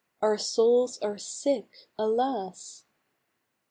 Our souls are sick, alas!